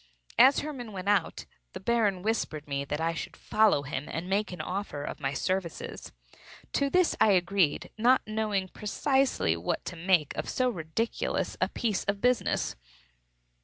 As Hermann went out, the Baron whispered me that I should follow him and make an offer of my services. To this I agreed; not knowing precisely what to make of so ridiculous a piece of business.